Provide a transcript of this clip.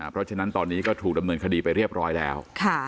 เพราะฉะนั้นตอนนี้ก็ถูกดำเนินคดีไปเรียบร้อยแล้ว